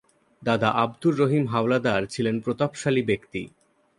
দাদা আব্দুর রহিম হাওলাদার ছিলেন প্রতাপশালী ব্যক্তি।